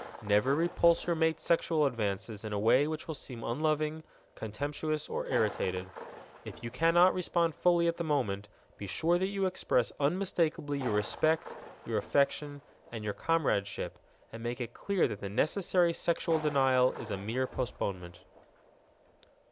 Never repulse your mate's sexual advances in a way which will seem unloving, contemptuous, or irritated. If you cannot respond fully at the moment, be sure that you express unmistakably your respect, your affection, and your comradeship, and make it clear that the necessary sexual denial is a mere postponement.